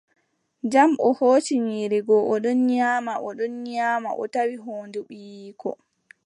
Jam, o hooci nyiiri goo, o ɗon nyaama, o ɗon nyaama, o tawi hoondu ɓiyiiko .